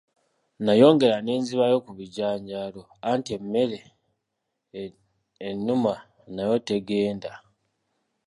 Nayongera ne nzibayo ku bijanjaalo, anti emmere ennuma nayo tegenda.